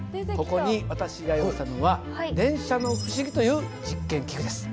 ここに私が用意したのは「電車のふしぎ」という実験器具です。